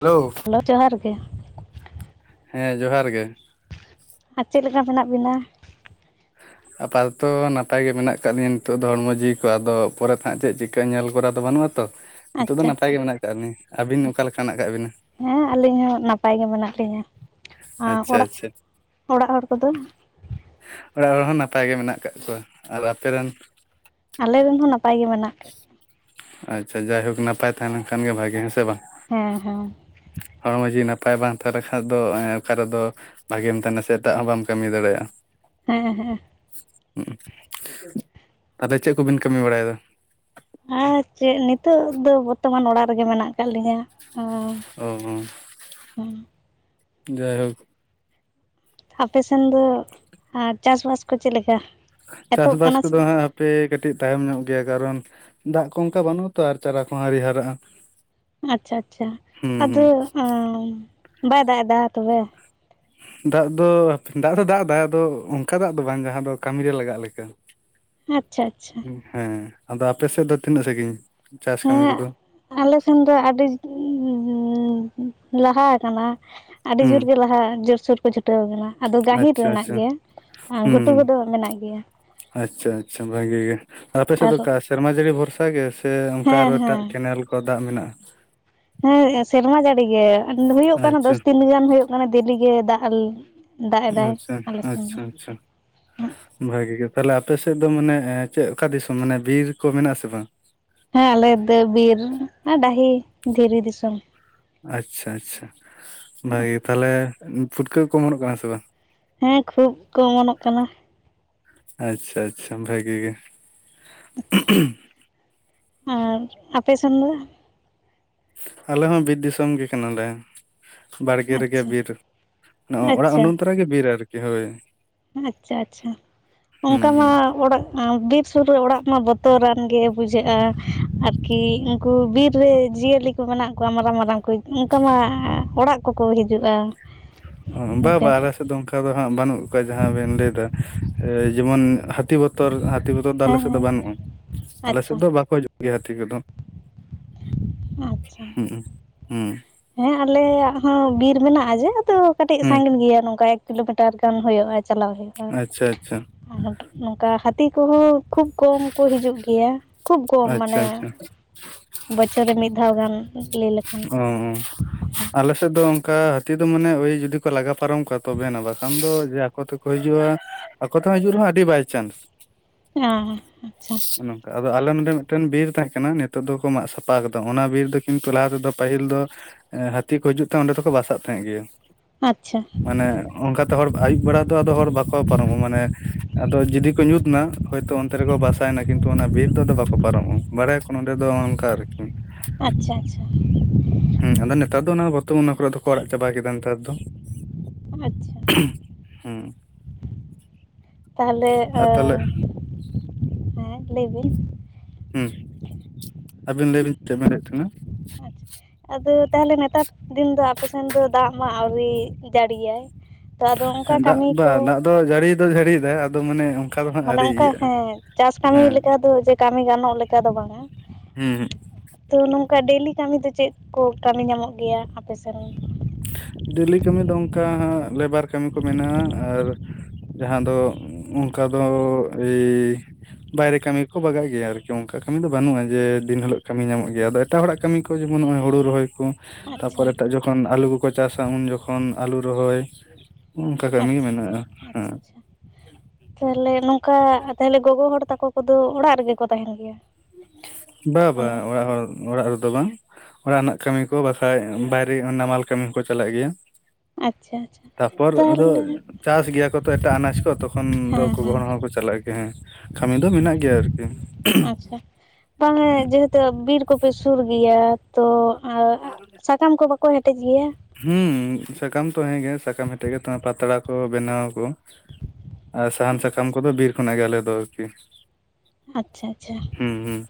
Hello hello ᱡᱚᱦᱟᱨ ᱜᱮ ᱦᱮᱸ ᱡᱚᱦᱟᱨ ᱜᱮ ᱟᱨ ᱪᱮᱫ ᱞᱮᱠᱟ ᱢᱮᱱᱟᱜ ᱵᱤᱱᱟ? [unintelligible] ᱟᱯᱟᱛᱚᱛᱚ ᱱᱟᱯᱟᱭ ᱜᱮ ᱢᱮᱱᱟᱜ ᱟᱠᱟᱫ ᱞᱤᱧᱟᱹ ᱱᱤᱛᱚᱜ ᱫᱚ ᱦᱚᱲᱢᱚ ᱡᱤᱣᱤ ᱠᱚ ᱟᱫᱚ ᱯᱚᱨᱮᱛᱮ ᱦᱟᱸᱜ ᱪᱮᱫ ᱪᱤᱠᱟᱹ ᱧᱮᱞ ᱠᱚᱨᱟᱣ ᱫᱚ ᱵᱟᱹᱱᱩᱜᱼᱟ ᱛᱚ᱾ ᱱᱤᱛᱚᱜ ᱫᱚ ᱟᱪᱪᱷᱟ ᱱᱟᱯᱟᱭ ᱟᱪᱪᱷᱟ ᱜᱮ ᱢᱮᱱᱟᱜ ᱟᱠᱟᱜ ᱞᱤᱧᱟ, ᱟᱵᱤᱱ ᱚᱠᱟ ᱞᱮᱠᱟ ᱢᱮᱱᱟᱜ ᱠᱟᱜ ᱵᱤᱱᱟ? ᱦᱮᱸ ᱟᱹᱞᱤᱧ ᱦᱚᱸ ᱱᱟᱯᱟᱭ ᱜᱮ ᱢᱮᱱᱟᱜ ᱞᱤᱧᱟᱹ, ᱟᱸ ᱟᱪᱪᱷᱟ ᱚᱲᱟᱜ, ᱟᱪᱪᱷᱟ ᱚᱲᱟᱜ ᱦᱚᱲ ᱠᱚᱫᱚ? ᱚᱲᱟᱜ ᱦᱚᱲ ᱦᱚ ᱱᱟᱯᱟᱭ ᱜᱮ ᱢᱮᱱᱟᱜ ᱟᱠᱟᱜ ᱠᱚᱣᱟ, ᱟᱨ ᱟᱯᱮ ᱨᱮᱱ? ᱟᱞᱮ ᱨᱮᱱ ᱦᱚᱸ ᱱᱟᱯᱟᱭ ᱜᱮ ᱢᱮᱱᱟᱜ ᱠᱟᱜ ᱟᱪᱪᱷᱟ ᱡᱟᱭᱦᱳᱠ ᱱᱟᱯᱟᱭ ᱛᱟᱦᱮᱸ ᱞᱮᱱᱠᱷᱟᱱ ᱜᱮ ᱵᱷᱟᱜᱤ ᱦᱮᱸ ᱥᱮ ᱵᱟᱝ? ᱦᱮᱸ ᱦᱮᱸ᱾ ᱦᱚᱲᱢᱚ ᱡᱤᱣᱤ ᱱᱟᱯᱟᱭ ᱵᱟᱝ ᱛᱟᱦᱮᱸ ᱞᱮᱠᱷᱟᱡ ᱫᱚ ᱮᱸ ᱚᱠᱟ ᱨᱮᱫᱚ ᱵᱷᱟᱜᱮᱢ ᱛᱟᱦᱮᱸᱱᱟ ᱥᱮᱛᱟᱜ ᱦᱚᱸ ᱵᱟᱢ ᱠᱟᱢᱤ ᱫᱟᱲᱮᱭᱟᱜᱼᱟ᱾ ᱦᱮᱸ ᱦᱮᱸ᱾ [inaudible] ᱟᱫᱚ ᱪᱮᱫ ᱠᱚᱵᱤᱱ ᱠᱟᱹᱢᱤ ᱵᱟᱲᱟᱭᱫᱟ? ᱟᱨ ᱪᱮᱫ ᱱᱤᱛᱳᱜ ᱫᱚ ᱵᱚᱨᱛᱚᱢᱟᱱ ᱚᱲᱟᱜ ᱨᱮᱜᱮ ᱢᱮᱱᱟᱜ ᱟᱠᱟᱫ ᱞᱤᱧᱟ᱾ [unintelligible] ᱡᱟᱭᱦᱳᱠ᱾ ᱟᱯᱮ ᱥᱮᱱ ᱫᱚ, ᱟᱸ ᱪᱟᱥ ᱵᱟᱥ ᱠᱚ ᱪᱮᱫ ᱞᱮᱠᱟ? ᱪᱟᱥ ᱮᱛᱚᱦᱚᱵ ᱵᱟᱥ ᱠᱟᱱᱟ ᱠᱚᱫᱚ ᱥᱮ ᱦᱟᱸᱜ ᱦᱟ ᱯᱮ ᱠᱟᱹᱴᱤᱡ ᱛᱟᱭᱚᱢ ᱧᱚᱜ ᱜᱮᱭᱟ ᱠᱟᱨᱚᱱ, ᱫᱟᱜ ᱠᱚ ᱚᱝᱠᱟ ᱵᱟᱹᱱᱩᱜᱼᱟ ᱛᱚ ᱟᱨ ᱪᱟᱨᱟ ᱠᱚᱦᱚᱸ ᱟᱣᱨᱤ ᱦᱟᱨᱟᱜᱼᱟ᱾ ᱟᱪᱪᱷᱟ ᱟᱪᱪᱷᱟ ᱦᱩᱸ ᱟᱫᱚ ᱦᱩᱸ ᱚᱸ ᱵᱟᱭ ᱫᱟᱜ ᱮᱫᱟ ᱛᱚᱵᱮ? ᱫᱟᱜ ᱫᱚ, ᱫᱟᱜ ᱫᱚ ᱫᱟᱜ ᱮᱫᱟ ᱟᱫᱚ ᱚᱝᱠᱟ ᱫᱟᱜ ᱫᱚ ᱵᱟᱝ ᱡᱟᱦᱟᱸ ᱫᱚ ᱠᱟᱢᱤᱱᱨᱮ ᱞᱟᱜᱟᱜ ᱞᱮᱠᱟ᱾ ᱟᱪᱪᱷᱟ ᱟᱪᱪᱷᱟ᱾ ᱦᱮᱸ, ᱟᱫᱚ ᱟᱯᱮ ᱥᱮᱫ ᱫᱚ ᱛᱤᱱᱟᱹᱜ ᱥᱟᱺᱜᱤᱧ ᱪᱟᱥ ᱠᱟᱹᱢᱤ ᱦᱮᱸ ᱠᱚᱫᱚ? ᱟᱞᱮ ᱥᱮᱱ ᱫᱚ ᱟᱹᱰᱤ [inaudible] ᱞᱟᱦᱟ ᱠᱟᱱᱟ᱾ ᱟᱹᱰᱤ ᱦᱩᱸ ᱡᱳᱨᱜᱮ ᱞᱟᱦᱟ ᱡᱳᱨᱥᱳᱨ ᱠᱚ ᱪᱷᱩᱴᱟᱹᱣ ᱟᱠᱟᱱᱟ᱾ ᱟᱫᱚ ᱜᱟᱦᱤᱨ ᱟᱪᱪᱷᱟ ᱨᱮᱱᱟᱜ ᱟᱪᱪᱷᱟ ᱜᱮ, ᱟᱸ ᱦᱩᱸ ᱜᱷᱩᱴᱩ ᱦᱩᱸ ᱠᱚᱫᱚ ᱢᱮᱱᱟᱜ ᱜᱮᱭᱟ᱾ ᱟᱪᱪᱷᱟ ᱟᱪᱪᱷᱟ ᱵᱷᱟᱜᱮ ᱜᱮ, ᱟᱯᱮ ᱥᱮᱫ ᱟᱨ ᱫᱚ ᱠᱟᱥ ᱥᱮᱨᱢᱟ ᱡᱟᱹᱲᱤ ᱵᱷᱚᱨᱥᱟ ᱜᱮ ᱥᱮ ᱚᱝᱠᱟ ᱦᱮᱸ ᱟᱨᱚ ᱮᱴᱟᱜ ᱦᱮᱸ ᱠᱮᱱᱮᱞ ᱠᱚ ᱫᱟᱜ ᱢᱮᱱᱟᱜᱼᱟ? ᱦᱮᱸ, ᱥᱮᱨᱢᱟ ᱡᱟᱹᱲᱤ ᱜᱮ ᱟᱸᱰ ᱦᱩᱭᱩᱜ ᱠᱟᱱᱟ, ᱟᱪᱪᱷᱟ ᱫᱚᱥ ᱫᱤᱱ ᱜᱟᱱ ᱦᱩᱭᱩᱜ ᱠᱟᱱᱟ᱾ ᱫᱤᱞᱤ ᱜᱮ ᱫᱟᱜ ᱟᱞ ᱟᱸᱪᱪᱷᱟ, ᱟᱸᱪᱪᱷᱟ-ᱪᱷᱟ᱾ ᱦᱮᱸ ᱵᱷᱟᱜᱤ ᱜᱮ ᱛᱟᱞᱮ ᱟᱯᱮᱥᱮᱫ ᱫᱚ ᱢᱟᱱᱮ ᱮᱸ ᱪᱮᱜ ᱠᱟ ᱫᱤᱥᱚᱢ, ᱢᱟᱱᱮ ᱵᱤᱨ ᱠᱚ ᱢᱮᱱᱟᱜᱼᱟ ᱟᱥᱮ ᱵᱟᱝ? ᱦᱮᱸ, ᱟᱞᱮ ᱫᱟᱹ ᱵᱤᱨ ᱟᱸ ᱰᱟᱹᱦᱤ, ᱫᱷᱤᱨᱤ ᱫᱤᱥᱚᱢ᱾ ᱟᱪᱪᱷᱟ-ᱪᱷᱟ, ᱵᱟᱜᱮ ᱜᱮ ᱛᱷᱟᱞᱮ ᱩᱸ ᱯᱷᱩᱴᱠᱟᱹ ᱠᱚ ᱚᱢᱚᱱᱚᱜ ᱠᱟᱱᱟ ᱥᱮ ᱵᱟᱝ? ᱦᱮᱸ, ᱠᱷᱩᱵ ᱠᱚ ᱚᱢᱚᱱᱚᱜ ᱠᱟᱱᱟ᱾ ᱟᱪᱪᱷᱟ-ᱟᱪᱪᱷᱟ, ᱵᱷᱟᱹᱜᱤ ᱜᱮ᱾ ᱟᱸᱨ ᱟᱯᱮ ᱥᱮᱱ ᱫᱚ? ᱟᱞᱮ ᱦᱚᱸ ᱵᱤᱫ ᱫᱤᱥᱚᱢ ᱜᱮ ᱠᱟᱱᱟᱞᱮ᱾ ᱵᱟᱲᱜᱮ ᱨᱮᱜᱮ ᱟᱪᱪᱷᱟ ᱵᱤᱨ ᱱᱚᱜᱼᱚ ᱚᱲᱟᱜ ᱩᱱᱩᱱ ᱛᱮ ᱨᱮᱜᱮ ᱵᱤᱨ ᱟᱨᱠᱤ ᱦᱳᱭ᱾ ᱟᱸᱪᱪᱷᱟ-ᱪᱷᱟ, ᱚᱝᱠᱟ ᱢᱟ ᱦᱩᱸ ᱚᱲᱟᱜ ᱟᱸ ᱵᱤᱨ ᱥᱩᱨ ᱨᱮ ᱚᱲᱟᱜ ᱢᱟ ᱵᱚᱛᱚᱨᱟᱱ ᱜᱮ ᱵᱩᱡᱷᱟᱹᱜᱼᱟ ᱟᱨᱠᱤ ᱩᱝᱠᱩ ᱵᱤᱨ ᱨᱮ ᱡᱤᱭᱟᱹᱞᱤ ᱠᱚ ᱢᱮᱱᱟᱜ ᱠᱚᱣᱟ ᱢᱟᱨᱟᱝ-ᱢᱟᱨᱟᱝ ᱠᱚ ᱩᱸ ᱚᱝᱠᱟ ᱢᱟ ᱚᱲᱟᱜ ᱠᱚ-ᱠᱚ ᱦᱤᱡᱩᱜᱼᱟ! ᱩᱸ ᱵᱟ-ᱵᱟ ᱦᱮᱸ ᱟᱞᱮ ᱥᱮ ᱮᱫᱚᱢ ᱠᱷᱟ ᱫᱚ ᱦᱟᱸᱜ ᱵᱟᱹᱱᱩᱜ ᱠᱟ ᱡᱟᱦᱟᱸ ᱵᱮᱱ ᱞᱟᱹᱭ ᱫᱟ, ᱮ ᱡᱮᱢᱚᱱ ᱦᱟᱹᱛᱤ ᱵᱚᱛᱚᱨ ᱟ ᱛᱤ ᱠᱚᱫᱚ ᱫᱟᱞᱮ ᱥᱮᱫ ᱫᱚ ᱦᱮᱸ ᱵᱟᱱᱩᱜᱼᱚᱸ, ᱟᱞᱮ ᱥᱮᱫ ᱟᱪᱪᱷᱟ ᱫᱚ ᱵᱟᱠᱚ ᱡᱩᱜ ᱜᱮᱭᱟ ᱦᱟᱛᱷᱤ ᱠᱚᱫᱚ᱾ ᱟᱸᱪᱪᱷᱟ, ᱦᱩᱸ ᱦᱩᱸ ᱦᱮᱸ, ᱟᱞᱮᱭᱟᱜ ᱦᱚᱸ ᱵᱤᱨ ᱢᱮᱱᱟᱜᱼᱟ ᱡᱮ ᱟᱫᱚ. ᱠᱟᱹᱴᱤᱜ ᱦᱩᱸ ᱥᱟᱸᱜᱤᱱ ᱜᱮᱭᱟ ᱱᱚᱝᱠᱟ ᱮᱠ ᱠᱤᱞᱳᱢᱤᱴᱟᱨ ᱜᱟᱱ ᱦᱩᱭᱩᱜᱼᱟ, ᱪᱟᱞᱟᱣ ᱦᱩᱭᱩᱜᱼᱟ᱾ ᱟᱪᱪᱷᱟ ᱟᱪᱪᱷᱟ ᱟᱱᱚᱯ ᱱᱚᱝᱠᱟ ᱦᱟᱹᱛᱤ ᱠᱚᱦᱚᱸ ᱠᱷᱩᱵ ᱠᱚᱢ ᱠᱚ ᱦᱤᱡᱩᱜ ᱜᱮᱭᱟ, ᱠᱷᱩᱵ ᱠᱚᱢ ᱟᱪᱪᱷᱟ ᱢᱟᱱᱮ ᱟᱪᱪᱷᱟ ᱪᱚ ᱨᱮ ᱢᱤᱜ ᱫᱷᱟᱣ ᱜᱟᱱ ᱞᱟᱹᱭ ᱞᱮ ᱩᱸ-ᱩᱸ᱾ ᱟᱞᱮᱥᱮᱜ ᱫᱚ ᱚᱝᱠᱟ ᱟᱹᱛᱤ ᱫᱚ ᱢᱟᱱᱮ ᱳᱭ ᱡᱩᱫᱤ ᱠᱚ ᱞᱟᱜᱟ ᱯᱟᱨᱚᱢ ᱠᱟ ᱛᱚᱵᱮᱱᱟ᱾ ᱵᱟᱠᱷᱟᱱ ᱫᱚ ᱡᱮ ᱠᱚ ᱛᱮᱠᱚ ᱦᱤᱡᱩᱜᱼᱟ, ᱟᱠᱚ ᱛᱮᱦᱚᱸ ᱦᱤᱡᱩᱜ ᱨᱮᱦᱚᱸ ᱟᱹᱰᱤ ᱵᱟᱭᱪᱟᱱᱥ᱾ ᱦᱮᱸ ᱟᱪᱪᱷᱟ ᱚᱱᱮ ᱚᱝᱠᱟ ᱟᱫᱚ ᱟᱞᱮ ᱱᱚᱸᱰᱮ ᱢᱤᱫᱴᱮᱱ ᱵᱤᱨ ᱛᱟᱦᱮᱸ ᱠᱟᱱᱟ, ᱱᱤᱛᱚᱜ ᱫᱚᱠᱚ ᱢᱟᱜ ᱥᱟᱯᱷᱟ ᱠᱟᱫᱟ ᱾ ᱚᱱᱟ ᱵᱤᱨ ᱫᱚ ᱠᱤᱱᱛᱩ ᱞᱟᱦᱟ ᱛᱮᱫᱚ ᱯᱟᱹᱦᱤᱞ ᱫᱚ ᱮᱸ ᱦᱟᱹᱛᱤ ᱠᱚ ᱦᱤᱡᱩᱜ ᱛᱟᱦᱮᱸ ᱚᱸᱰᱮ ᱫᱚᱠᱚ ᱵᱟᱥᱟᱜ ᱛᱟᱦᱮᱸᱫ ᱜᱮᱭᱟ ᱾ ᱟᱪᱪᱷᱟ ᱢᱟᱱᱮ ᱚᱝᱠᱟ ᱛᱮ ᱦᱚᱲ ᱟᱹᱭᱩᱵ ᱵᱮᱲᱟ ᱫᱚ ᱟᱫᱚ ᱦᱚᱲ ᱵᱟᱠᱚ ᱯᱟᱨᱚᱢᱚᱜᱼᱟ ᱢᱟᱱᱮ ᱟᱫᱚ ᱡᱩᱫᱤ ᱠᱚ ᱧᱩᱛᱱᱟ ᱦᱚᱭᱛᱳ ᱚᱱᱛᱮ ᱨᱮᱠᱚ ᱵᱟᱥᱟᱭᱮᱱᱟ, ᱠᱤᱱᱛᱩ ᱚᱱᱟ ᱵᱤᱨ ᱫᱚ ᱟᱫᱚ ᱵᱟᱠᱚ ᱯᱟᱨᱚᱢᱚᱜᱼᱟ ᱾ ᱵᱟᱲᱟᱭᱟᱠᱚ ᱱᱚᱸᱰᱮ ᱫᱚ ᱚᱱᱠᱟ ᱟᱨᱠᱤ ᱾ ᱟᱪᱪᱷᱟ ᱟᱪᱪᱷᱟ ᱦᱮᱸ, ᱟᱫᱚ ᱱᱮᱛᱟᱨ ᱫᱚ ᱚᱱᱟ ᱵᱚᱨᱛᱚᱢᱟᱱ ᱚᱱᱟ ᱠᱚᱨᱮ ᱫᱚᱠᱚ ᱟᱲᱟᱜ ᱪᱟᱵᱟ ᱠᱮᱫᱟ ᱱᱮᱛᱟᱨ ᱫᱚ ᱾ ᱟᱪᱪᱷᱟ ᱦᱩᱸ᱾ ᱛᱟᱦᱚᱞᱮ ᱮ ᱮᱸ ᱞᱟᱹᱭ ᱵᱤᱱ ᱦᱩ ᱟᱵᱤᱱ ᱞᱟᱹᱭ ᱵᱤᱱ ᱪᱮᱫ ᱵᱮᱱ ᱞᱟᱹᱭᱮᱫ ᱛᱟᱦᱮᱱᱟ? ᱟᱪᱪᱷᱟ ᱟᱫᱚ ᱛᱟᱦᱞᱮ ᱱᱮᱛᱟᱨ ᱫᱤᱱ ᱫᱚ ᱟᱯᱮ ᱥᱮᱱ ᱫᱚ ᱫᱟᱜ ᱢᱟᱜ ᱟᱹᱣᱨᱤ ᱡᱟᱹᱲᱤᱭᱟᱭ᱾ ᱛᱚ ᱟᱫᱚ ᱦᱮᱸ ᱚᱱᱠᱟ ᱫᱟᱜ ᱠᱟᱹᱢᱤ ᱫᱟ ᱫᱟᱜ ᱠᱚ ᱫᱚ ᱡᱟᱹᱲᱤ ᱫᱚ ᱡᱟᱹᱲᱤᱭᱫᱟᱭ ᱟᱫᱚ ᱢᱟᱱᱮ ᱫᱚ ᱦᱟᱸᱜ ᱢᱟᱱᱮ ᱟᱹᱣᱨᱤ ᱚᱱᱠᱟ ᱤᱭᱟᱹᱜᱼᱟ ᱦᱮᱸ ᱪᱟᱥ ᱠᱟᱹᱢᱤ ᱦᱮᱸ ᱞᱮᱠᱟ ᱫᱚ ᱡᱮ ᱠᱟᱹᱢᱤ ᱜᱟᱱᱚᱜ ᱞᱮᱠᱟ ᱫᱚ ᱵᱟᱝᱟ ᱦᱩᱸ ᱦᱩᱸ ᱾ ᱛᱚ ᱱᱚᱝᱠᱟ ᱰᱮᱞᱤ ᱠᱟᱹᱢᱤ ᱫᱚ ᱪᱮᱫ ᱠᱚ ᱠᱟᱹᱢᱤ ᱧᱟᱢᱚᱜ ᱜᱮᱭᱟ ᱟᱯᱮ ᱥᱮᱱ? ᱰᱮᱞᱤ ᱠᱟᱹᱢᱤ ᱫᱚ ᱚᱝᱠᱟ ᱞᱮᱵᱟᱨ ᱠᱟᱹᱢᱤ ᱠᱚ ᱢᱮᱱᱟᱜᱼᱟ, ᱟᱨ ᱡᱟᱦᱟᱸ ᱫᱚ ᱚᱝᱠᱟ ᱫᱚ ᱮᱭ ᱵᱟᱭᱨᱮ ᱠᱟᱹᱢᱤ ᱠᱚ ᱵᱟᱜᱟ ᱜᱮᱭᱟ ᱟᱨᱠᱤ, ᱚᱝᱠᱟ ᱠᱟᱹᱢᱤ ᱫᱚ ᱵᱟᱹᱱᱩᱜᱼᱟ ᱡᱮ ᱫᱤᱱ ᱦᱤᱞᱳᱜ ᱠᱟᱹᱢᱤ ᱧᱟᱢᱚᱜ ᱜᱮᱭᱟ, ᱟᱫᱚ ᱮᱴᱟᱜ ᱦᱚᱲᱟᱜ ᱠᱟᱹᱢᱤ ᱠᱚ ᱡᱮᱢᱚᱱ ᱱᱚᱜᱼᱚᱭ ᱦᱳᱲᱩ ᱨᱚᱦᱚᱭ ᱠᱚ᱾ ᱟᱪᱪᱷᱟ ᱛᱟᱯᱚᱨ ᱮᱴᱟᱜ ᱡᱚᱠᱷᱚᱱ ᱟᱹᱞᱩ ᱠᱚᱠᱚ ᱪᱟᱥᱟ ᱩᱱ ᱡᱚᱠᱷᱚᱱ ᱟᱹᱞᱩ ᱨᱚᱦᱚᱭ ᱾ ᱦᱚᱜ-ᱚᱝᱠᱟ ᱠᱟᱹᱢᱤ ᱜᱮ ᱢᱮᱱᱟᱜᱼᱟ ᱦᱮᱸ ᱾ ᱛᱟᱦᱞᱮ ᱱᱚᱝᱠᱟ ᱛᱟᱦᱚᱞᱮ ᱜᱚᱜᱚ ᱦᱚᱲ ᱛᱟᱠᱚ ᱠᱚᱫᱚ ᱚᱲᱟᱜ ᱨᱮᱜᱮ ᱠᱚ ᱛᱟᱦᱮᱱ ᱜᱮᱭᱟ? ᱵᱟ ᱵᱟ ᱢᱟᱱᱮ ᱚᱲᱟ ᱠᱚ? ᱦᱚᱲ ᱚᱲᱟᱜ ᱨᱮᱫᱚ ᱵᱟᱝ ᱚᱲᱟᱜ ᱨᱮᱱᱟᱜ ᱠᱟᱹᱢᱤ ᱠᱚ ᱵᱟᱠᱷᱟᱡ ᱵᱟᱭᱨᱮ ᱱᱟᱢᱟᱞ ᱠᱟᱹᱢᱤ ᱦᱚᱸᱠᱚ ᱪᱟᱞᱟᱜ ᱜᱮᱭᱟ ᱾ ᱟᱪᱪᱷᱟ ᱟᱪᱪᱷᱟ ᱛᱟᱯᱚᱨ ᱟᱫᱚ ᱛᱟᱦᱚᱞᱮ ᱪᱟᱥ ᱜᱮᱭᱟ ᱠᱚ ᱛᱚ ᱮᱴᱟᱜ ᱟᱱᱟᱡ ᱠᱚ ᱛᱚᱠᱷᱚᱱ ᱫᱚ ᱦᱮᱸ ᱜᱚᱜᱚ ᱦᱮᱸ ᱦᱚᱲᱚ ᱦᱚᱸᱠᱚ ᱪᱟᱞᱟᱜ ᱜᱮᱭᱟ ᱦᱮᱸ ᱾ ᱠᱟᱹᱢᱤ ᱫᱚ ᱢᱮᱱᱟᱜ ᱜᱮᱭᱟ ᱟᱨᱠᱤ ᱾ ᱟᱪᱪᱷᱟ ᱾ ᱛᱟᱦᱚᱞᱮ ᱡᱮᱦᱮᱛᱩ ᱵᱤᱨ ᱠᱚᱯᱮ ᱥᱩᱨ ᱜᱮᱭᱟ ᱛᱚ ᱾ ᱟᱨ ᱥᱟᱠᱟᱢ ᱠᱚ ᱵᱟᱠᱚ ᱦᱮᱴᱮᱡ ᱜᱮᱭᱟ? ᱦᱩᱸ, ᱥᱟᱠᱟᱢ ᱛᱚ ᱦᱮᱸᱜᱮ ᱥᱟᱠᱟᱢ ᱦᱮᱴᱮᱡ ᱠᱟᱛᱮ ᱯᱟᱛᱲᱟ ᱠᱚ ᱵᱮᱱᱟᱣᱟᱠᱚ ᱾ ᱟᱨ ᱥᱟᱦᱟᱱ ᱥᱟᱠᱟᱢ ᱠᱚᱫᱚ ᱵᱤᱨ ᱠᱷᱚᱱᱟᱜ ᱜᱮ ᱟᱞᱮ ᱫᱚ ᱟᱨᱠᱤ ᱾ ᱟᱪᱪᱷᱟ ᱟᱪᱪᱷᱟ ᱾ ᱦᱩᱸ ᱦᱩᱸ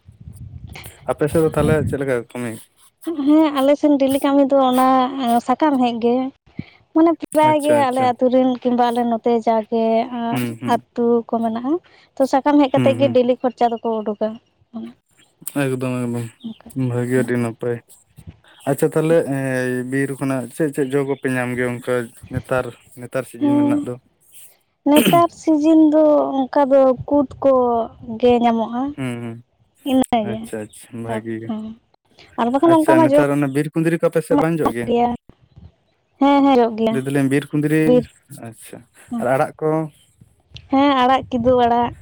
ᱟᱯᱮ ᱥᱮᱫ ᱫᱚ ᱛᱟᱦᱚᱞᱮ ᱪᱮᱫ ᱞᱮᱠᱟ ᱠᱟᱹᱢᱤ? ᱦᱮᱸ, ᱟᱞᱮ ᱥᱮᱱ ᱰᱮᱞᱤ ᱠᱟᱹᱢᱤ ᱫᱚ ᱚᱱᱟ ᱥᱟᱠᱟᱢ ᱦᱮᱡ ᱜᱮ ᱢᱟᱱᱮ ᱾ ᱥᱮᱫᱟᱭ ᱟᱪᱪᱷᱟ ᱜᱮ ᱟᱞᱮ ᱟᱪᱪᱷᱟ ᱟᱛᱩ ᱨᱮᱱ ᱠᱤᱢᱵᱟ ᱟᱞᱮ ᱱᱚᱛᱮ ᱡᱟᱜᱮ ᱦᱩᱸ ᱦᱩᱸ ᱟᱹᱛᱩᱳ ᱠᱚ ᱢᱮᱱᱟᱜᱼᱟ ᱾ ᱛᱚ ᱥᱟᱠᱟᱢ ᱦᱮᱡ ᱦᱩᱸ ᱠᱟᱛᱮᱜ ᱜᱮ ᱦᱩᱸ ᱰᱮᱞᱤ ᱠᱷᱚᱨᱪᱟ ᱫᱚᱠᱚ ᱩᱰᱩᱠᱟ ᱚᱱᱟ ᱾ ᱮᱠᱫᱚᱢ ᱮᱠᱫᱚᱢ, ᱵᱷᱟᱹᱜᱮ ᱟᱹᱰᱤ ᱱᱟᱯᱟᱭ ᱾ ᱟᱪᱪᱷᱟ ᱾ ᱛᱟᱦᱚᱞᱮ ᱮ ᱵᱤᱨ ᱠᱷᱚᱱᱟᱜ ᱪᱮᱫ ᱪᱮᱫ ᱡᱚ ᱠᱚᱯᱮ ᱧᱟᱢ ᱜᱮᱭᱟ ᱚᱱᱠᱟ ᱱᱮᱛᱟᱨ? ᱱᱮᱛᱟᱨ ᱥᱤᱡᱤᱱ ᱨᱮᱱᱟᱜ ᱦᱮᱸ ᱫᱚ ᱾ ᱱᱮᱛᱟᱨ ᱥᱤᱡᱤᱱ ᱫᱚ ᱚᱱᱠᱟ ᱫᱚ ᱠᱩᱫ ᱠᱚᱜᱮ ᱧᱟᱢᱚᱜᱼᱟ ᱦᱩᱸ ᱦᱩᱸ ᱾ ᱤᱱᱟᱹᱜᱮ ᱟᱪᱪᱷᱟ ᱟᱪᱪᱷᱟ ᱵᱷᱟᱜᱤ ᱜᱮ ᱛᱟᱨᱯᱚᱨᱮ ᱟᱨ ᱵᱟᱠᱷᱟᱱ ᱚᱱᱠᱟ ᱟᱪᱪᱷᱟ ᱢᱟ ᱡᱚᱢ ᱱᱮᱛᱟᱨ ᱚᱱᱟ ᱵᱤᱨ ᱠᱩᱸᱫᱽᱨᱤ ᱠᱚ ᱟᱯ ᱥᱮᱫ ᱵᱟᱝ ᱡᱚᱜ ᱜᱮᱭᱟ ᱦᱮᱸ ᱦᱮᱸ ᱡᱚᱜ ᱜᱮᱭᱟ ᱞᱟᱹᱭ ᱫᱟᱞᱤᱧ ᱵᱤᱨ ᱠᱩᱸᱫᱽᱨᱤ ᱵᱤᱨ ᱾ ᱟᱪᱪᱷᱟ, ᱟᱨ ᱟᱲᱟᱜ ᱠᱚ? ᱦᱮᱸ, ᱟᱲᱟᱜ ᱠᱤᱫᱩ ᱟᱲᱟᱜ ᱾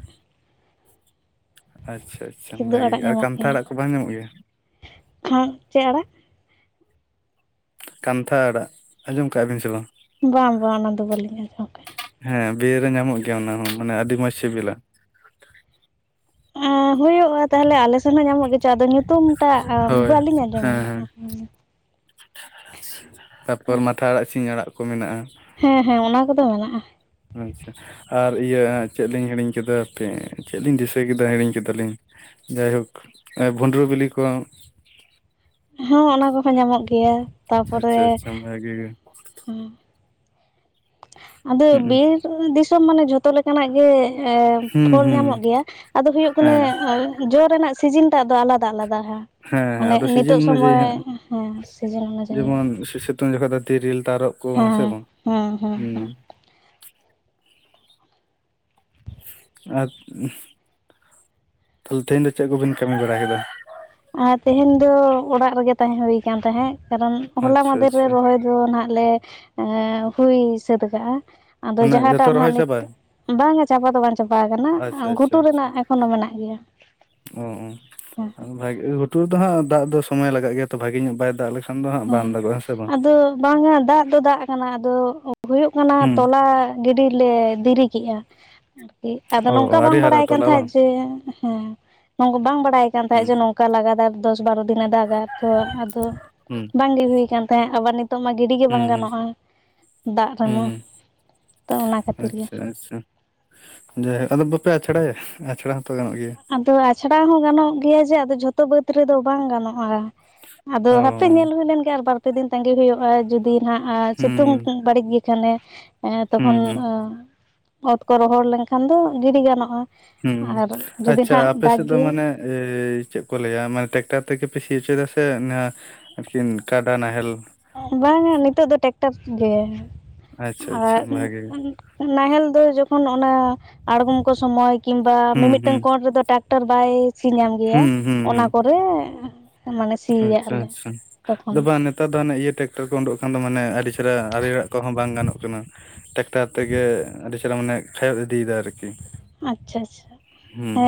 ᱟᱪᱪᱷᱟ ᱟᱪᱪᱷᱟ ᱾ ᱠᱤᱫᱩᱵ ᱵᱷᱟᱹᱜᱤ ᱜᱮ ᱟᱨ ᱠᱟᱱᱛᱷᱟ ᱟᱲᱟᱜ ᱠᱚ ᱵᱟᱝ ᱧᱟᱢᱚᱜ ᱜᱮᱭᱟ? ᱠᱷᱟᱱ ᱪᱮᱫ ᱟᱲᱟᱜ? ᱠᱟᱱᱛᱷᱟ ᱟᱲᱟᱜ ᱟᱸᱡᱚᱢ ᱠᱟᱜ ᱵᱤᱱ ᱥᱮ ᱵᱟᱝ? ᱵᱟᱝ ᱵᱟᱝ ᱚᱱᱟᱫᱚ ᱵᱟᱹᱞᱤᱧ ᱟᱸᱡᱚᱢ ᱠᱟᱜᱼᱟ ᱦᱮ ᱵᱤᱨ ᱨᱮ ᱧᱟᱢᱚᱜ ᱜᱮᱭᱟ ᱚᱱᱟ ᱦᱚ ᱢᱟᱱᱮ ᱟᱹᱰᱤ ᱢᱚᱡ ᱥᱮᱵᱮᱞᱟ᱾ ᱦᱳᱭᱳᱜᱼᱟ ᱛᱟᱦᱞᱮ ᱟᱞᱮᱥᱮᱱ ᱦᱚ ᱧᱟᱢᱚᱜ ᱜᱮᱪᱚ ᱟᱫᱚ ᱧᱩᱛᱩᱢ ᱴᱟᱹᱜ ᱦᱳᱭ᱾ ᱵᱟᱹᱞᱤᱧ ᱟᱸᱡᱚᱢ ᱦᱮᱸ ᱠᱟᱜ-ᱟ [unintelligible] ᱛᱟᱨᱯᱚᱨ ᱢᱟᱴᱷᱟ ᱟᱲᱟᱹᱜ ᱥᱤᱧ ᱟᱲᱟᱹᱜ ᱠᱚ ᱢᱮᱱᱟᱜᱼᱟ ᱦᱮᱸ ᱦᱮᱸ ᱚᱱᱟ ᱠᱚᱫᱚ ᱢᱮᱱᱟᱜᱼᱟ ᱟᱪᱪᱷᱟ ᱟᱨ ᱤᱭᱟᱹ ᱪᱮᱫ ᱞᱤᱧ ᱦᱤᱲᱤᱧ ᱠᱮᱫᱟ ᱦᱟᱯᱮ ᱪᱮᱫ ᱞᱤᱧ ᱫᱤᱥᱟᱹ ᱠᱮᱫᱟ ᱦᱤᱲᱤᱧ ᱠᱮᱫᱟᱞᱤᱧ ᱡᱟᱭᱦᱳᱠ ᱵᱷᱩᱸᱰᱨᱩ ᱵᱤᱞᱤ ᱠᱚ, ᱦᱚᱸ ᱚᱱᱟ ᱠᱚᱦᱚ ᱧᱟᱢᱚᱜ ᱜᱮᱭᱟ ᱟᱪᱪᱷᱟ ᱟᱪᱪᱷᱟ ᱵᱷᱟᱜᱮ ᱜᱮ ᱦᱩᱸ ᱟᱫᱚ ᱦᱩᱸ ᱵᱤᱨ ᱫᱤᱥᱚᱢ ᱢᱟᱱᱮ ᱡᱷᱚᱛᱚ ᱞᱮᱠᱟᱱᱟᱜ ᱜᱮ ᱮ ᱦᱩᱸ ᱯᱷᱚᱞ ᱦᱩᱸ ᱧᱟᱢᱚᱜ ᱜᱮᱭᱟ ᱟᱫᱚ ᱦᱩᱭᱩᱜ ᱠᱟᱱᱟ ᱦᱮᱸ ᱡᱚ ᱨᱮᱱᱟᱜ ᱥᱤᱡᱤᱱ ᱴᱟᱜ ᱫᱚ ᱟᱞᱟᱫᱟ ᱾ ᱟᱞᱟᱫᱟ ᱟᱞᱟᱫᱟ ᱦᱟ ᱦᱮᱸ ᱢᱟᱱᱮ ᱟᱫᱚ ᱱᱤᱛᱚᱜ ᱥᱤᱡᱤᱱ ᱚᱱᱩᱡᱟᱭᱤ ᱥᱚᱢᱚᱭ ᱦᱟᱸᱜ ᱦᱮᱸ ᱥᱤᱡᱮᱱ ᱚᱱᱩᱡᱟᱭᱤ ᱾ ᱡᱮᱢᱚᱱ ᱥᱤᱛᱩᱝ ᱡᱚᱠᱷᱚᱱ ᱫᱚ ᱛᱤᱨᱤᱞ ᱛᱟᱨᱚᱵ ᱠᱚ ᱦᱮᱸ ᱥᱮ ᱵᱟᱝ? ᱦᱮᱸ ᱦᱮᱸ ᱦᱩᱸ ᱦᱮᱸ ᱾ ᱟᱨ ᱛᱟᱦᱞᱮ ᱛᱮᱦᱮᱧ ᱫᱚ ᱪᱮᱫ ᱠᱚᱵᱤᱱ ᱠᱟᱹᱢᱤ ᱵᱟᱲᱟ ᱠᱮᱫᱟ? ᱟᱨ ᱛᱮᱦᱮᱧ ᱫᱚ ᱚᱲᱟᱜ ᱨᱮᱜᱮ ᱛᱟᱸᱦᱮ ᱦᱚᱭ ᱠᱟᱱ ᱛᱟᱦᱮᱫ ᱠᱟᱨᱚᱱ ᱦᱚᱞᱟ ᱟᱪᱪᱷᱟ ᱢᱟᱦᱫᱷᱮᱨ ᱨᱮ ᱟᱪᱪᱷᱟ ᱨᱚᱦᱚᱭ ᱫᱚ ᱱᱟᱜ ᱞᱮ ᱦᱩᱭ ᱥᱟᱹᱛ ᱠᱟᱜᱼᱟ ᱟᱫᱚ ᱢᱟᱱᱮ ᱡᱟᱦᱟᱸᱴᱟᱜ ᱡᱚᱛᱚ ᱱᱟᱦᱟᱜ ᱨᱚᱦᱚᱭ ᱱᱤᱛ ᱪᱟᱵᱟ? ᱵᱟᱝ-ᱟ ᱪᱟᱵᱟ ᱫᱚ ᱵᱟᱝ ᱪᱟᱵᱟ ᱠᱟᱱᱟ ᱟᱪᱪᱷᱟ ᱜᱷᱩᱴᱩ ᱟᱪᱪᱷᱟ ᱟᱪᱪᱷᱟ ᱨᱮᱱᱟᱜ ᱮᱠᱷᱚᱱᱳ ᱢᱮᱱᱟᱜ ᱜᱮᱭᱟ ᱚ ᱦᱮᱸ ᱚ ᱵᱷᱟᱜᱮ ᱜᱩᱴᱩ ᱨᱮ ᱫᱚ ᱦᱟᱹᱜ ᱫᱟᱹᱜᱽ ᱫᱚ ᱥᱚᱢᱚᱭ ᱞᱟᱜᱟᱜ ᱜᱮᱭᱟ ᱛ ᱵᱷᱟᱜᱮ ᱧᱚᱜ ᱵᱟᱭ ᱫᱟᱹᱜᱽ ᱞᱮᱠᱷᱟᱱ᱾ ᱫᱚ ᱦᱟᱸᱜ ᱦᱮ ᱵᱟᱝ ᱫᱟᱜᱚᱜᱼᱟ ᱦᱮᱸ ᱥᱮ ᱵᱟᱝ ᱟᱫᱚ ᱵᱟᱝᱼᱟ ᱫᱟᱹᱜᱽ ᱫᱚ ᱫᱟᱹᱜᱽ ᱠᱟᱱᱟ ᱟᱫᱚ ᱦᱳᱭᱳᱜ ᱠᱟᱱᱟ ᱦᱩᱸ ᱛᱚᱞᱟ ᱜᱤᱰᱤ ᱞᱮ ᱫᱤᱨᱤ ᱠᱮᱜᱼᱟ ᱟᱨᱠᱤ, ᱟᱫᱚ ᱚ ᱚ ᱱᱚᱝᱠᱟ ᱟᱹᱣᱨᱤ ᱵᱟᱝ ᱵᱟᱲᱟᱭ ᱦᱟᱨᱟᱜ ᱟᱠᱟᱱ ᱛᱚᱞᱟ ᱵᱟᱝ ᱛᱟᱦᱮᱸᱫ ᱡᱮ, ᱦᱮ ᱱᱚᱝ ᱵᱟᱝ ᱵᱟᱰᱟᱭ ᱟᱠᱟᱱ ᱛᱟᱦᱮᱫ ᱦᱩᱸ ᱡᱮ ᱱᱚᱝᱠᱟ ᱞᱟᱜᱟ ᱫᱟᱨ ᱫᱚᱥ ᱵᱟᱨᱚ ᱫᱤᱱᱮ ᱫᱟᱜᱽᱼᱟᱭ ᱛᱚ ᱟᱫᱚ ᱦᱩᱢ ᱵᱟᱝᱜᱮ ᱦᱩᱭ ᱠᱟᱱ ᱛᱟᱦᱮᱸᱜ ᱟᱵᱟᱨ ᱱᱤ ᱛᱚᱜ ᱢᱟ ᱜᱤᱰᱤᱜᱮ ᱵᱟᱝ ᱦᱩᱸ ᱜᱟᱱᱚᱜᱼᱟ ᱫᱟᱹᱜ ᱦᱩᱸ ᱨᱮᱢᱟ ᱦᱩᱸ ᱛᱚ ᱚᱱᱟ ᱠᱷᱟᱹᱛᱤᱨ ᱜᱮ᱾ ᱟᱪᱪᱷᱟ ᱟᱪᱪᱷᱟ ᱡᱟᱭᱦᱳᱠ ᱟᱫᱚ ᱵᱟᱯᱮ ᱟᱪᱷᱲᱟᱭᱟ ᱟᱪᱲᱟ ᱦᱚᱸᱛᱚ ᱜᱟᱱᱚᱜ ᱜᱮᱭᱟ ᱟᱫᱚ ᱟᱪᱷᱲᱟ ᱦᱚ ᱜᱟᱱᱚᱜ ᱜᱮᱭᱟ ᱡᱮ ᱟᱫᱚ ᱡᱷᱚᱛᱚ ᱵᱟᱹᱫᱽ ᱨᱮᱫᱚ ᱵᱟᱝ ᱜᱟᱱᱚᱜᱼᱟ ᱟᱫᱚ ᱚ ᱦᱟᱯᱮ ᱧᱮᱞ ᱦᱩᱭ ᱞᱮᱱ ᱜᱮ ᱟᱨ ᱵᱟᱨᱯᱮ ᱫᱤᱱ ᱛᱟᱝᱜᱤ ᱦᱳᱭᱳᱜᱼᱟ ᱡᱩᱫᱤ ᱦᱟᱜ ᱥᱤᱛᱩᱝ ᱦᱩᱸ ᱵᱟᱹᱲᱤᱡ ᱜᱮ ᱫᱚᱞᱮ ᱦᱩᱸ ᱛᱚᱠᱷᱚᱱ ᱦᱩᱸ ᱚᱛ ᱠᱚ ᱨᱚᱦᱚᱲ ᱞᱮᱱᱠᱷᱟᱱ ᱫᱚ ᱜᱤᱰᱤ ᱜᱟᱱᱚᱜᱼᱟ ᱦᱩ ᱟᱨ ᱡᱩᱫᱤ ᱟᱪᱪᱷᱟ ᱱᱟᱦᱟᱜ ᱟᱯᱮ ᱫᱟᱜᱽ ᱥᱮᱫ ᱫᱚ ᱜᱮᱭᱟᱭ ᱢᱟᱱᱮ ᱮᱭ ᱪᱮᱫ ᱠᱚ ᱞᱟᱹᱭᱟ ᱢᱟᱱᱮ ᱴᱮᱠᱴᱟᱨ ᱛᱮᱜᱮ ᱯᱮ ᱥᱤ ᱦᱚᱪᱚᱭᱫᱟ? ᱥᱮ ᱟᱨᱠᱤᱱ ᱠᱟᱰᱟ ᱱᱟᱦᱮᱞ? ᱵᱟᱝᱼᱟ ᱱᱤᱛᱚᱜ ᱫᱚ ᱴᱮᱠᱴᱟᱨ ᱛᱮ ᱜᱮ ᱟᱪᱪᱷᱟ ᱟᱪᱪᱷᱟ ᱟᱨ ᱵᱷᱟᱜᱮ ᱜᱮ ᱱᱟᱦᱮᱞ ᱫᱚ ᱡᱚᱠᱷᱚᱱ ᱚᱱᱟ ᱟᱲᱜᱚᱢ ᱠᱚ ᱥᱚᱢᱚᱭ ᱠᱤᱝᱵᱟ ᱦᱩᱸ ᱦᱩᱸ ᱢᱤᱢᱤᱫᱴᱟᱹᱝ ᱠᱚᱸᱰ ᱨᱮᱫᱚ ᱴᱟ ᱴᱟᱨ ᱵᱟᱭ ᱥᱤ ᱧᱟᱢ ᱜᱮᱭᱟ ᱦᱩᱸ ᱦᱩᱸ ᱚᱱᱟ ᱦᱩᱸ ᱠᱚᱨᱮ ᱢᱟᱱᱮ ᱥᱤᱭᱟᱜ ᱟᱪᱪᱷᱟ ᱟᱞᱮ ᱟᱪᱪᱷᱟ ᱛᱚᱠᱷᱚᱱ ᱟᱫᱚ ᱵᱟᱝ ᱱᱮᱛᱟᱨ ᱫᱚ ᱦᱟᱱᱮ ᱤᱭᱟᱹ ᱴᱮᱠᱴᱟᱨ ᱠᱚ ᱩᱱᱰᱳᱠ ᱠᱟᱱ ᱫᱚ ᱢᱟᱱᱮ ᱟᱹᱰᱤ ᱪᱮᱦᱨᱟ ᱟᱨᱮᱲᱟᱜ ᱠᱚᱦᱚ ᱵᱟᱝ ᱜᱟᱱᱚᱜ ᱠᱟᱱᱟ ᱴᱮᱠᱴᱟᱨ ᱛᱮᱜᱮ ᱟᱹᱰᱤ ᱪᱮᱦᱨᱟ ᱢᱟᱱᱮ ᱠᱷᱟᱭᱚᱫ ᱤᱫᱤᱭ ᱫᱟᱭ ᱟᱨᱠᱤ ᱟᱪᱪᱷᱟ ᱟᱪᱪᱷᱟ ᱦᱩᱸ ᱦᱮ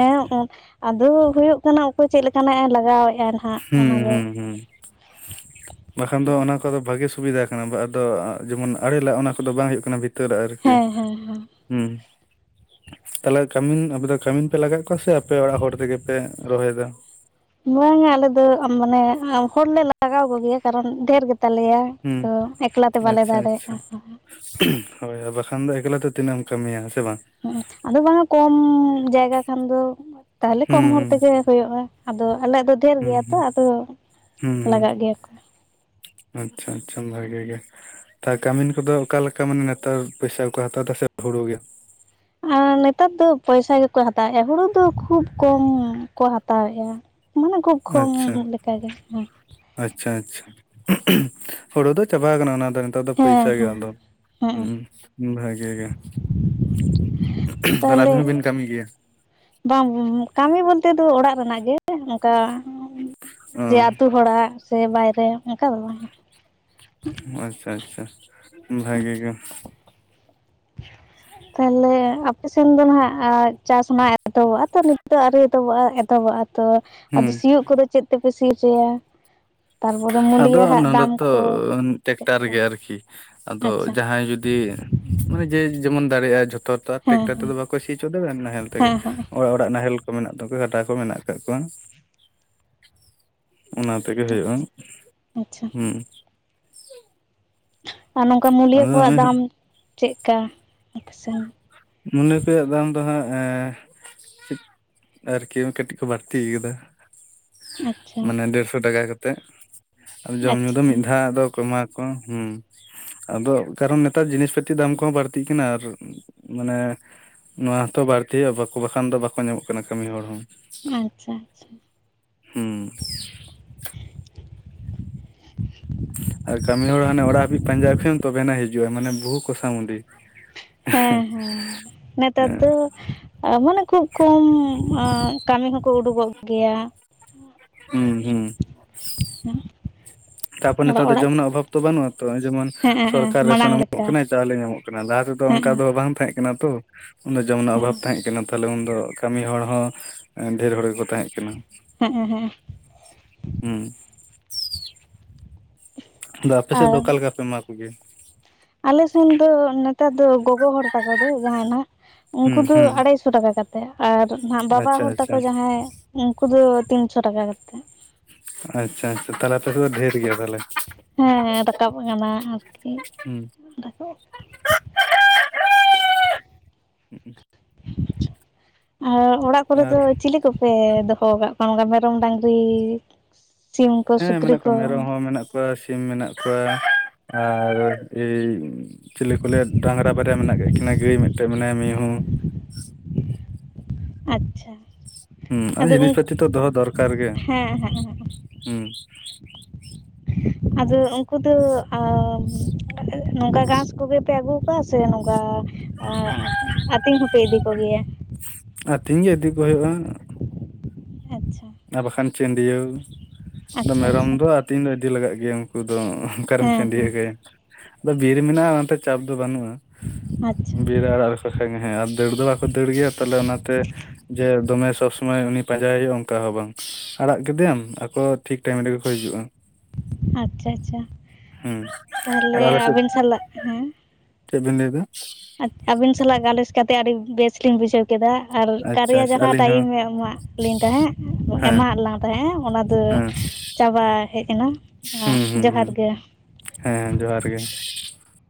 ᱟᱫᱚ ᱦᱳᱭᱳᱜ ᱠᱟᱱᱟ ᱚᱠᱚᱭ ᱪᱮᱫ ᱞᱮᱠᱟᱱᱟᱜᱼ ᱮ ᱞᱟᱜᱟᱣᱮᱫᱼᱟ ᱱᱟᱸᱦᱟᱜ? ᱦᱩᱸ ᱦᱩᱸ ᱦᱩᱸ ᱵᱟᱠᱷᱟᱱ ᱫᱚ ᱚᱱᱟ ᱠᱚᱫᱚ ᱵᱷᱟᱜᱮ ᱥᱩᱵᱤᱫᱟ ᱠᱟᱱᱟ ᱟᱫᱚ ᱡᱮᱢᱚᱱ ᱟᱲᱮ ᱞᱟᱜ ᱚᱱᱟ ᱠᱚᱫᱚ ᱵᱟᱝ ᱦᱳᱭᱳᱜ ᱠᱟᱱᱟ ᱵᱷᱤ ᱛᱟᱹᱨ ᱟᱹᱨᱠᱤ ᱦᱮᱸ ᱦᱮᱸ ᱦᱮᱸ ᱦᱩ᱾ ᱛᱟᱦᱚᱞᱮ ᱠᱟᱹᱢᱤᱱ ᱟᱯᱮ ᱫᱚ ᱠᱟᱹᱢᱤᱱ ᱯᱮ ᱞᱟᱜᱟᱶᱮᱜ ᱠᱚᱣᱟ? ᱥᱮ ᱟᱯᱮ ᱚᱲᱟᱜ ᱦᱚᱲ ᱛᱮᱜᱮ ᱯᱮ ᱨᱚᱦᱚᱭᱮᱫᱟ? ᱵᱟᱝᱼᱟ ᱟᱞᱮ ᱫᱚ ᱢᱟᱱᱮ ᱦᱚᱲᱞᱮ ᱞᱟᱜᱟᱣ ᱠᱚᱜᱮᱭᱟ ᱠᱟᱨᱚᱱ ᱫᱦᱷᱮᱨ ᱜᱮᱛᱟᱞᱮᱭᱟ ᱦᱩᱸ ᱛᱚ ᱮᱠᱞᱟᱛᱮ ᱵᱟᱞᱮ ᱟᱪᱪᱷᱟ ᱫᱟᱲᱮᱭᱟᱜ ᱟᱪᱪᱷᱟ ᱠᱟᱱ ᱛᱟᱦᱤᱜ ᱦᱳᱭ ᱵᱟᱠᱷᱟᱱ ᱫᱚ ᱮᱠᱞᱟ ᱛᱮ ᱛᱤᱱᱟᱹᱜ ᱮᱢ ᱠᱟᱹᱢᱤᱭᱟ ᱦᱮ ᱥᱮ ᱵᱟᱝ? ᱦᱩᱸᱜ-ᱩᱸ᱾ ᱟᱫᱚ ᱵᱟᱝᱟ ᱠᱚᱢ ᱡᱟᱭᱜᱟ ᱠᱷᱟᱱ ᱫᱚ ᱛᱟᱦᱞᱮ ᱦᱩᱸ ᱠᱚᱢ ᱦᱚᱲ ᱦᱩᱸ ᱛᱮᱜᱮ ᱦᱳᱭᱳᱜᱼᱟ᱾ ᱟᱫᱚ ᱟᱞᱮ ᱫᱚ ᱰᱷᱮᱨ ᱦᱩᱸ ᱜᱮᱭᱟ ᱛᱚ ᱦᱩᱸ ᱟᱫᱚ ᱦᱩᱸ ᱞᱟᱜᱟᱜ ᱜᱮᱭᱟ ᱠᱚ᱾ ᱟᱪᱪᱷᱟ ᱟᱪᱪᱷᱟ ᱵᱷᱟᱜᱤ ᱜᱮ᱾ ᱛᱟ ᱠᱟᱹᱢᱤᱱ ᱠᱚᱫᱚ ᱚᱠᱟ ᱞᱮᱠᱟ ᱢᱟᱱᱮ ᱱᱮᱛᱟᱨ ᱯᱚᱭᱥᱟᱠᱚ ᱦᱟᱛᱟᱣ ᱮᱫᱟ ᱥᱮ ᱦᱩᱲᱩ ᱜᱮ? ᱟ ᱱᱮᱛᱟᱨ ᱫᱚ ᱯᱚᱭᱥᱟ ᱜᱮᱠᱚ ᱦᱟᱛᱟᱣᱮᱫᱼᱟ ᱦᱩᱲᱩ ᱫᱚ ᱠᱷᱩᱵᱽ ᱠᱚᱢ ᱠᱚ ᱦᱟᱛᱟᱣᱮᱫᱼᱟ᱾ ᱢᱟᱱᱮ ᱠᱷᱩᱵᱽ ᱠᱷᱚᱢ ᱟᱪᱪᱷᱟ ᱞᱮᱠᱟᱜᱮ᱾ ᱦᱩᱸ᱾ ᱟᱪᱪᱷᱟ ᱟᱪᱪᱷᱟ ᱾ ᱦᱳᱲᱳ ᱫᱚ ᱪᱟᱵᱟ ᱟᱠᱟᱱᱟ ᱚᱱᱟ ᱫᱚ ᱾ ᱱᱮᱛᱟᱨ ᱫᱚ ᱦᱮᱸ ᱯᱩᱭᱥᱟ ᱜᱮ ᱦᱮᱸ ᱟᱫᱚ ᱾ ᱦᱮᱸ ᱦᱩᱸ, ᱵᱷᱟᱜᱤ ᱜᱮ᱾ ᱛᱟᱦᱚᱞᱮ ᱟᱵᱤᱱ ᱦᱚᱸᱵᱤᱱ ᱠᱟᱹᱢᱤ ᱜᱮᱭᱟ? ᱵᱟᱝ ᱠᱟᱹᱢᱤ ᱵᱚᱞᱛᱮ ᱫᱚ ᱚᱲᱟᱜ ᱨᱮᱱᱟᱜ ᱜᱮ ᱚᱱᱠᱟ᱾ ᱚ ᱡᱮ ᱟᱹᱛᱩ ᱦᱚᱲᱟᱜ ᱥᱮ ᱵᱟᱭᱨᱮ ᱚᱱᱠᱟ ᱫᱚ ᱵᱟᱝ ᱦᱟᱜ᱾ ᱟᱪᱪᱷᱟ ᱟᱪᱪᱷᱟ ᱵᱷᱟᱜᱮ ᱜᱮ, [inaudible] ᱛᱟᱦᱚᱞᱮ ᱟᱯᱮ ᱥᱮᱱ ᱫᱚ ᱱᱟᱱᱟᱜ ᱪᱟᱥ ᱢᱟ ᱮᱛᱚᱦᱚᱵᱚᱜᱼᱟ ᱛᱚ ᱱᱤᱛ ᱫᱚ ᱟᱹᱣᱨᱤ ᱮᱛᱚᱦᱚᱵᱚᱜᱼᱟ ᱮᱛᱚᱦᱚᱵᱚᱜᱼᱟ ᱛᱚ ᱟᱫᱚ ᱦᱩᱸ ᱥᱤᱭᱩᱜ ᱠᱚᱫᱚ ᱪᱮᱫ ᱛᱮᱯᱮ ᱥᱤ ᱚᱪᱚᱭᱟ? ᱟᱫᱚ ᱱᱚᱰᱮ ᱫᱚ ᱴᱮᱠᱴᱟᱨ ᱪᱮᱫᱠᱟ ᱜᱮ ᱟᱨᱠᱤ᱾ ᱟᱫᱚ ᱟᱪᱪᱷᱟ ᱡᱟᱦᱟᱸᱭ ᱡᱩᱫᱤ ᱡᱮ ᱡᱮᱢᱚᱱ ᱫᱟᱲᱮᱭᱟᱜᱼᱟ ᱡᱷᱚᱛᱚ ᱴᱨᱟᱠ ᱦᱮᱸ ᱴᱨᱮᱠᱴᱟᱨ ᱦᱮᱸ ᱛᱮᱫᱚ ᱵᱟ ᱠᱚ ᱥᱤ ᱚᱪᱚ ᱫᱟ ᱱᱟᱦᱮᱞ ᱛᱮᱜᱮ᱾ ᱦᱮᱸ ᱦᱮᱸ ᱚᱲᱟᱜ ᱚᱲᱟᱜ ᱱᱟᱦᱮᱞ ᱠᱚ ᱢᱮᱱᱟᱜ ᱛᱟᱯᱮ [unintelligible] ᱠᱚ ᱢᱮᱱᱟᱜ ᱟᱠᱟᱫ ᱠᱚᱣᱟ ᱠᱚᱣᱟ᱾ ᱚᱱᱟ ᱛᱮᱜᱮ ᱦᱩᱭᱩᱜᱼᱟ᱾ ᱦᱩᱸ᱾ ᱟᱪᱪᱷᱟ ᱟᱨ ᱱᱚᱝᱠᱟ ᱢᱩᱞᱭᱟᱹ ᱟᱫᱚ ᱠᱚᱣᱟᱜ ᱱᱚᱜᱼᱚᱭ ᱫᱟᱢ ᱪᱮᱫ ᱠᱟᱱᱟ ᱟᱯᱮ ᱥᱮᱱ? ᱢᱚᱱᱮ ᱛᱮᱭᱟᱜ ᱫᱟᱢ ᱫᱚ ᱦᱟᱸᱜ ᱮ ᱟᱨᱠᱤ ᱠᱟᱹᱴᱤᱡ ᱠᱚ ᱵᱟᱹᱲᱛᱤ ᱟᱠᱟᱫᱟ ᱟᱪᱪᱷᱟ ᱾ ᱢᱟᱱᱮ ᱰᱮᱲᱥᱚ ᱴᱟᱠᱟ ᱠᱟᱛᱮᱜ ᱟᱨ ᱡᱚᱢ ᱧᱩ ᱫᱚ ᱟᱪᱪᱷᱟ ᱢᱤᱫ ᱫᱷᱟᱣᱟᱜ ᱫᱚ [unintelligible] ᱠᱚ ᱦᱩᱸ ᱟᱫᱚ ᱠᱟᱨᱚᱱ ᱱᱮᱛᱟᱨ ᱡᱤᱱᱤᱥ ᱯᱟᱛᱤ ᱫᱟᱢ ᱠᱚᱦᱚᱸ ᱵᱟᱹᱲᱛᱤᱜ ᱠᱟᱱᱟ ᱟᱨᱼᱼᱼ ᱢᱟᱱᱮ ᱱᱚᱣᱟ ᱦᱚᱛᱚ ᱵᱟᱹᱲᱛᱤ ᱦᱩᱭᱩᱜᱼᱟ, ᱵᱟᱠᱷᱟᱱ ᱫᱚ ᱵᱟᱠᱩ ᱧᱟᱢᱚᱜ ᱠᱟᱱᱟ ᱠᱟᱹᱢᱤ ᱦᱚᱲ ᱦᱚᱸ᱾ ᱟᱪᱪᱷᱟ ᱟᱪᱷᱟ᱾ ᱦᱩᱸ᱾ ᱟᱨ ᱠᱟᱹᱢᱤ ᱦᱚᱲ ᱦᱟᱱᱮ ᱚᱲᱟᱜ ᱦᱟᱹᱵᱤᱡ ᱯᱟᱸᱡᱟ ᱟᱸᱠᱷᱮᱢ ᱛᱚᱵᱮ ᱟᱱᱟ ᱦᱤᱡᱩᱜᱼᱟ ᱢᱟᱱᱮ ᱵᱚᱦᱩ ᱠᱷᱚᱥᱟ ᱢᱩᱫᱤ᱾ ᱦᱮᱸ ᱦᱮᱸ, ᱱᱮᱛᱟᱫ ᱦᱮᱸ ᱫᱚ ᱢᱟᱱᱮ ᱠᱷᱩᱵ ᱠᱚᱢ ᱟᱸ ᱠᱟᱹᱢᱤ ᱦᱚᱸᱠᱚ ᱩᱰᱩᱜᱚᱜ ᱜᱮᱭᱟ᱾ ᱦᱩᱸ ᱦᱩᱸ, ᱛᱟᱯᱚ ᱱᱮᱛᱟ ᱚᱲᱟᱜ ᱫᱚ ᱚᱲᱟᱜ ᱡᱚᱢ ᱮᱱᱟᱜ ᱚᱵᱷᱟᱵ ᱛᱚ ᱵᱟᱹᱱᱩᱜ ᱟᱛᱚ ᱡᱮᱢᱚᱱ ᱦᱮᱸ ᱦᱮᱸ ᱥᱚᱨᱠᱟᱨ ᱢᱟᱲᱟᱝ ᱨᱮᱥᱚᱱᱮ ᱮᱢᱚᱜ ᱞᱮᱠᱟ ᱠᱟᱱᱟᱭ ᱪᱟᱣᱞᱮ ᱧᱟᱢᱚᱜ ᱠᱟᱱᱟ ᱞᱟᱦᱟ ᱛᱮᱫᱚ ᱦᱮᱸ ᱚᱱᱠᱟ ᱫᱚ ᱵᱟᱝ ᱛᱟᱦᱮᱸᱜ ᱮᱱᱟ ᱛᱚ ᱚᱱᱟ ᱡᱚᱢ ᱨᱮᱱᱟᱜ ᱚᱵᱷᱟᱵ ᱛᱟᱦᱮᱸᱜ ᱠᱟᱱᱟ ᱛᱟᱦᱚᱞᱮ ᱩᱱᱫᱚ ᱠᱟᱹᱢᱤ ᱦᱚᱲ ᱦᱚᱸ ᱰᱷᱮᱨ ᱦᱚᱲ ᱜᱮᱠᱚ ᱛᱟᱦᱮᱸᱜ ᱠᱟᱱᱟ᱾ ᱦᱮᱸᱜ ᱦᱮᱸ᱾ ᱦᱩᱸ ᱾ ᱟᱫᱚ ᱟᱯᱮ ᱥᱮᱫ ᱫᱚ ᱚᱠᱟ ᱞᱮᱠᱟ ᱯᱮ ᱮᱢᱟ ᱠᱩ ᱜᱮᱭᱟ? ᱟᱞᱮᱥᱮᱱ ᱫᱚ ᱱᱮᱛᱟᱨ ᱫᱚ ᱜᱚᱜᱚ ᱦᱚᱲ ᱛᱟᱠᱚ ᱫᱚ ᱡᱟᱦᱟᱸᱟᱭ ᱱᱟᱜ, ᱦᱩᱸ ᱩᱱᱠᱩ ᱫᱚ ᱦᱩᱸ ᱟᱲᱟᱭ ᱥᱚ ᱴᱟᱠᱟ ᱠᱟᱛ ᱛᱮ ᱟᱨ ᱱᱟᱦᱟᱜ ᱵᱟᱵᱟ ᱟᱪᱪᱷᱟ ᱦᱚᱲ ᱟᱪᱪᱷᱟ ᱛᱟᱠᱚ ᱡᱟᱦᱟᱸᱭ ᱩᱱᱠᱩ ᱫᱚ ᱛᱤᱱᱥᱚ ᱴᱟᱠᱟ ᱠᱟᱛᱮᱜ᱾ ᱟᱪᱪᱷᱟ ᱟᱪᱪᱷᱟ ᱛᱟᱦᱞᱮ ᱟᱯᱮ ᱥᱮᱫ ᱫᱚ ᱰᱷᱮᱨ ᱜᱮᱭᱟ ᱛᱟᱦᱞᱮ᱾ ᱦᱮᱸ ᱫᱟᱠᱟᱵ ᱟᱠᱟᱱᱟ ᱟᱨᱠᱤ, ᱦᱩᱸ ᱫᱟᱠᱟᱵ᱾ ᱚ ᱚᱲᱟᱜ ᱠᱚᱨᱮ ᱟᱨ ᱫᱚ ᱪᱤᱞᱤ ᱠᱚ ᱯᱮ ᱫᱚᱦᱚ ᱣᱟᱠᱟᱜ ᱠᱚᱣᱟ ᱚᱸᱠᱟ ᱢᱮᱨᱚᱢ ᱰᱟᱹᱝᱨᱤ ᱥᱤᱢ ᱠᱚ ᱦᱮᱸ ᱥᱩᱠᱨᱤ ᱢᱮᱱᱟᱜ ᱠᱚ? ᱠᱚᱣᱟ ᱢᱮᱨᱚᱢ ᱦᱚᱸ ᱢᱮᱱᱟᱜ ᱠᱚᱣᱟ ᱥᱤᱢ ᱢᱮᱱᱟᱜ ᱠᱚᱣᱟ, ᱟᱨ ᱮᱭ ᱪᱤᱞᱤ ᱠᱚᱞᱮ ᱰᱟᱝᱨᱟ ᱵᱟᱨᱭᱟ ᱢᱮᱱᱟᱜ ᱠᱟᱜ ᱠᱤᱱᱟ, ᱜᱟᱹᱭ ᱢᱮᱫᱴᱮᱡ ᱢᱮᱱᱟᱭᱟ ᱢᱤᱦᱩ ᱟᱪᱪᱷᱟ᱾ ᱩᱸ ᱟᱫᱚ ᱡᱤᱱᱤᱥ ᱯᱟᱛᱤ ᱛᱚ ᱫᱚᱦᱚ ᱫᱚᱨᱠᱟᱨ ᱜᱮ, ᱦᱮᱸ ᱦᱮᱸ ᱦᱮᱸ ᱩᱸ᱾ ᱟᱫᱚ ᱩᱝᱠᱩ ᱫᱚ ᱟᱻᱢ᱾ ᱱᱚᱝᱠᱟ ᱜᱟᱸᱥ ᱠᱚᱜᱮ ᱯᱮ ᱟᱹᱜᱩᱣ ᱠᱩᱣᱟ ᱥᱮ ᱱᱚᱝᱠᱟ ᱟᱸᱜ ᱟᱹᱛᱤᱧ ᱦᱚᱸᱯᱮ ᱤᱫᱤ ᱠᱚᱜᱮᱭᱟ? ᱟᱛᱤᱧ ᱜᱮ ᱤᱫᱤ ᱠᱚ ᱦᱳᱭᱳᱼᱟ᱾ ᱟᱪᱪᱷᱟ᱾ ᱟ ᱵᱟᱠᱷᱟᱱ ᱪᱟᱹᱱᱰᱭᱟᱹᱣ, ᱫᱚ ᱟᱪᱪᱷᱟ ᱟᱪᱪᱷᱟ ᱢᱮᱨᱚᱢ ᱫᱚ ᱟᱹᱛᱤᱧ ᱫᱚ ᱤᱫᱤ ᱞᱟᱜᱟᱜ ᱜᱮᱭᱟ ᱩᱱᱠᱩ ᱫᱚ᱾ ᱚᱠᱟᱨᱮᱢ ᱦᱮᱸ ᱦᱮᱸ ᱪᱟᱹᱰᱭᱟ ᱠᱟᱭᱟ ᱟᱫᱚ ᱵᱤᱨ ᱢᱮᱱᱟᱜᱼᱟ ᱚᱱᱟᱛᱮ ᱪᱟᱯ ᱫᱚ ᱵᱟᱹᱱᱩᱜᱼᱟ ᱟᱪᱪᱷᱟ ᱵᱤᱨ ᱟᱲᱟᱝ ᱦᱮᱸ ᱟᱨ ᱫᱟᱹᱲ ᱫᱚ ᱵᱟᱝᱠᱚ ᱫᱟᱹᱲ ᱜᱮᱭᱟ ᱛᱟᱦᱞᱮ ᱚᱱᱟᱛᱮ ᱡᱮ ᱫᱚᱢᱮ ᱥᱚᱵ ᱥᱚᱢᱚᱭ ᱩᱱᱤ ᱯᱟᱸᱡᱟᱭ ᱦᱩᱭᱩᱜᱼᱟ ᱚᱱᱠᱟ ᱦᱚᱸ ᱵᱟᱝ ᱟᱲᱟᱝ ᱠᱮᱫᱮᱟᱢ ᱟᱠᱚ ᱴᱷᱤᱠ ᱴᱟᱭᱤᱢ ᱨᱮᱜᱮ ᱠᱚ ᱦᱤᱡᱩᱜᱼᱟ ᱟᱪᱪᱷᱟ ᱟᱪᱪᱷᱟ ᱦᱩᱸ ᱟᱨ ᱛᱟᱦᱞᱮ ᱟᱞᱮ ᱥᱮᱫ ᱟᱵᱤᱱ ᱥᱟᱞᱟᱜ ᱦᱮᱸ ᱪᱮᱫ ᱵᱤᱱ ᱞᱟᱹᱭ ᱫᱟ? ᱟᱹᱵᱤᱱ ᱥᱟᱞᱟᱜ ᱜᱟᱞᱚᱪ ᱠᱟᱛᱮ ᱟᱹᱰᱤ ᱵᱮᱥ ᱞᱤᱧ ᱵᱩᱡᱷᱟᱹᱣ ᱠᱮᱫᱟ ᱟᱨ ᱟᱪᱪᱷᱟ ᱠᱟᱨᱮᱭᱟ ᱟᱪᱪᱷᱟ ᱡᱟᱦᱟᱸ ᱟᱹᱞᱤᱧ ᱦᱚᱸ ᱴᱟᱭᱤᱢᱮ ᱮᱢᱟᱜ ᱞᱤᱧ ᱛᱟᱦᱮᱸᱫ ᱦᱮᱸ ᱮᱢᱟᱝ ᱞᱤᱝ ᱛᱟᱦᱮᱸᱫ ᱚᱱᱟ ᱫᱚ ᱦᱮᱸ ᱪᱟᱵᱟ ᱦᱮᱡ ᱮᱱᱟ ᱢᱟ ᱦᱩᱸ ᱦᱩᱸ ᱡᱚᱦᱟᱨ ᱦᱩᱸ ᱜᱮ ᱦᱮᱸ ᱡᱚᱦᱟᱨ ᱜᱮ